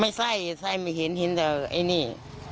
ไส้ไส้ไม่เห็นเห็นแต่ไอ้นี่